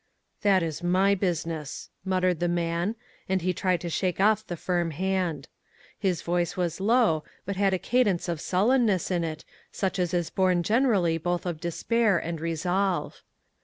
u That is my business," muttered the man, and he tried to shake off the firm hand. His voice was low, but had a cadence of sullenness in it, such as is born generally both of despair and resolve.